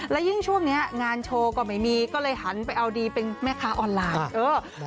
และยิ่งช่วงนี้งานโชว์ก็ไม่มีก็เลยหันไปเอาดีเป็นแม่ค้าออนไลน์